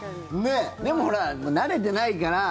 でもほら、慣れてないから。